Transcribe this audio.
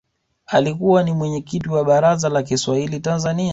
alikuwa ni mwenyekiti wa baraza la Kiswahili tanzania